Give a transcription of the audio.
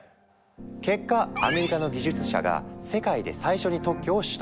結果アメリカの技術者が世界で最初に特許を取得。